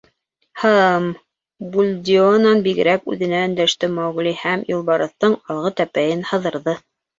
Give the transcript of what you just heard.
— Һы-ым, — Бульдеонан бигерәк, үҙенә өндәште Маугли һәм юлбарыҫтың алғы тәпәйен һыҙырҙы.